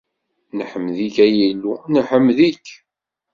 Neḥmed-ik, ay Illu, neḥmed-ik!